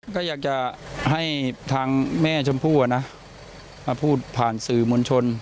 ก็อยากจะให้ทางแม่ชมพู่มาพูดผ่านสื่อมวลชน